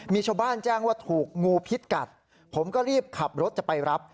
มีชาวบ้านแจ้งว่าถูกงูพิษกัดผมก็รีบขับรถจะไปรับ